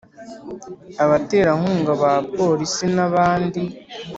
abaterankunga ba Polisi n abandi